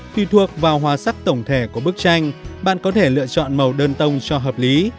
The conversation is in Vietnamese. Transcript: tùy thuộc vào hòa sắc tổng thể của bức tranh bạn có thể lựa chọn màu đơn tông cho hợp lý